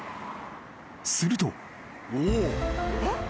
［すると］